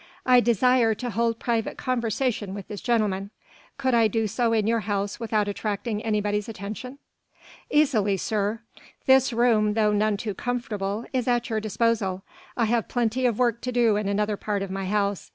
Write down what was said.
I desire to hold private conversation with this gentleman. Could I do so in your house without attracting anybody's attention?" "Easily, sir. This room though none too comfortable is at your disposal. I have plenty of work to do in another part of my house.